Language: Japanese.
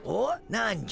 なんじゃ？